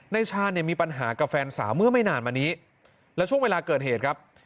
ชาญเนี่ยมีปัญหากับแฟนสาวเมื่อไม่นานมานี้และช่วงเวลาเกิดเหตุครับ